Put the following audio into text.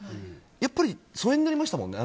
やっぱり疎遠になりましたもんね。